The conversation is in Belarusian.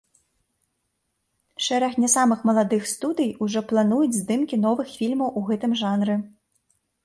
Шэраг не самых малых студый ужо плануюць здымкі новых фільмаў у гэтым жанры.